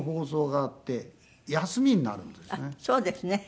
あっそうですね。